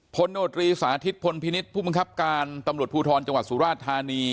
โนตรีสาธิตพลพินิษฐ์ผู้บังคับการตำรวจภูทรจังหวัดสุราชธานี